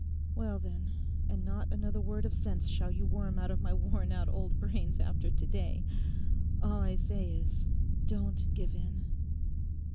Well then, and not another word of sense shall you worm out of my worn out old brains after today—all I say is, don't give in!